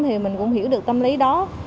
thì mình cũng hiểu được tâm lý đó